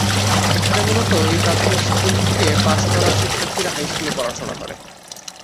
এখানে মূলত এই প্রাথমিক স্কুল থেকে পাস করা শিক্ষার্থীরা হাইস্কুলে পড়াশোনা করে।